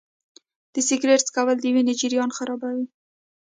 د سګرټ څکول د وینې جریان خرابوي.